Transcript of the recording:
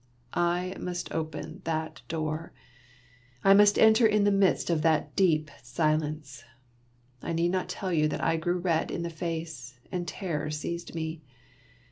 I must open that door. I must enter in the midst of that deep silence. I need not tell you that I grew red in the face, and terror seized me.